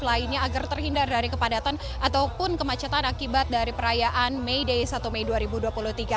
lainnya agar terhindar dari kepadatan ataupun kemacetan akibat dari perayaan may day satu mei dua ribu dua puluh tiga